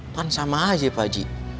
kan sama aja pakcik